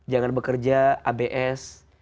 jangan bekerja abs